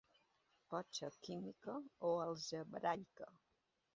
Pot ser química o algebraica.